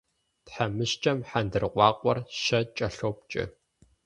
Тхьэмыщкӏэм хьэндыркъуакъуэр щэ кӏэлъопкӏэ.